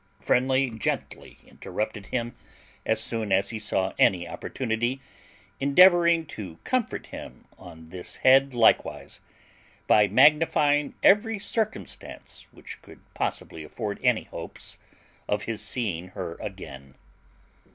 Friendly gently interrupted him as soon as he saw any opportunity, endeavouring to comfort him on this head likewise, by magnifying every circumstance which could possibly afford any hopes of his seeing her again.